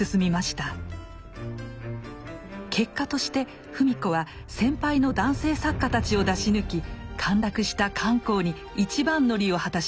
結果として芙美子は先輩の男性作家たちを出し抜き陥落した漢口に一番乗りを果たします。